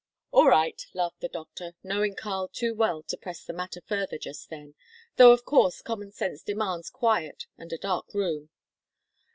"All right," laughed the doctor, knowing Karl too well to press the matter further just then, "though, of course, common sense demands quiet and a dark room."